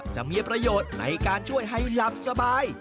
จะมีประโยชน์ในการช่วยให้หลับสบาย